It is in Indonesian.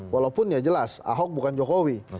walaupun ya jelas ahok bukan jokowi